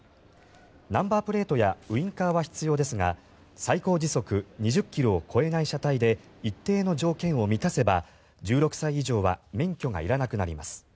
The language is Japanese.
ナンバープレートやウィンカーは必要ですが最高時速２０ｋｍを超えない車体で一定の条件を満たせば１６歳以上は免許がいらなくなります。